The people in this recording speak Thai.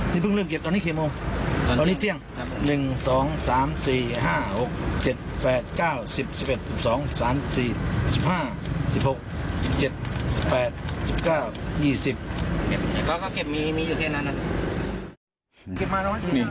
เก็บแล้วก็เก็บมีอยู่แค่นั้นนะ